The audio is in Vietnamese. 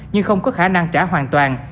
nhưng không có khả năng trả hoàn toàn